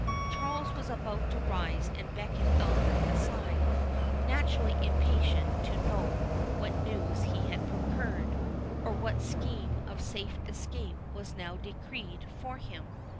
Charles was about to rise and beckon Albert aside, naturally impatient to know what news he had procured, or what scheme of safe escape was now decreed for him.